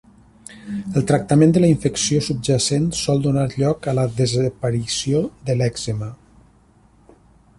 El tractament de la infecció subjacent sol donar lloc a la desaparició de l'èczema.